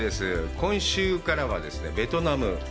今週からはベトナム。